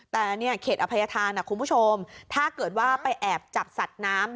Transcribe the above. แต่เขตอภัยธานคุณผู้ชมถ้าเกิดว่าไปแอบจับสัตว์น้ำ